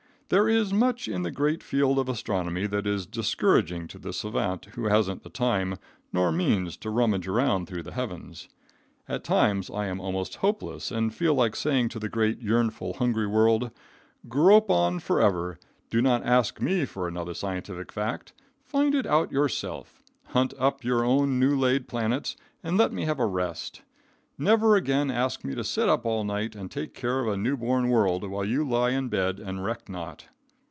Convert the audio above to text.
There is much in the great field of astronomy that is discouraging to the savant who hasn't the time nor means to rummage around through the heavens. At times I am almost hopeless, and feel like saying to the great yearnful, hungry world: "Grope on forever. Do not ask me for another scientific fact. Find it out yourself. Hunt up your own new laid planets, and let me have a rest. Never ask me again to sit up all night and take care of a newborn world, while you lie in bed and reck not."